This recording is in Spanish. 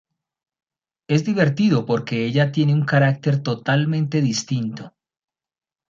Es divertido porque ella tiene un carácter totalmente distinto.